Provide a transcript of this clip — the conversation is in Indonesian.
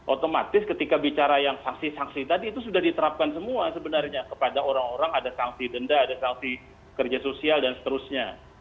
otomatis ketika bicara yang sanksi sanksi tadi itu sudah diterapkan semua sebenarnya kepada orang orang ada sanksi denda ada sanksi kerja sosial dan seterusnya